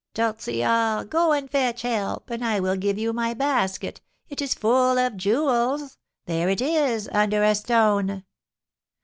"Tortillard, go and fetch help, and I will give you my basket; it is full of jewels. There it is, under a stone."